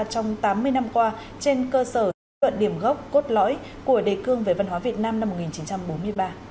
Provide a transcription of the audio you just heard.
trong tám mươi năm qua trên cơ sở lý luận điểm gốc cốt lõi của đề cương về văn hóa việt nam năm một nghìn chín trăm bốn mươi ba